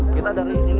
kita dari ini